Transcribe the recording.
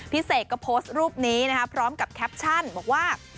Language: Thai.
เสกก็โพสต์รูปนี้นะครับพร้อมกับแคปชั่นบอกว่า